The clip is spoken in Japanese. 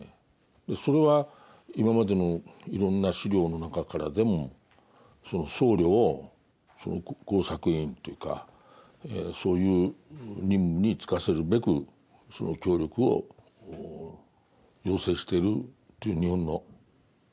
それは今までのいろんな資料の中からでもその僧侶を工作員というかそういう任務に就かせるべくその協力を要請しているという日本の国策国の政策が残ってますから。